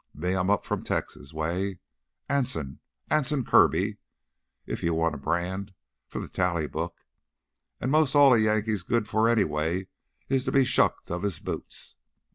Me, I'm up from Texas way Anson ... Anse Kirby, if you want a brand for the tally book. An' most all a Yankee's good for anyway is to be shucked of his boots."